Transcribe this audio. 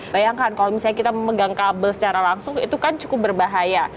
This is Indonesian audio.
bayangkan kalau misalnya kita memegang kabel secara langsung itu kan cukup berbahaya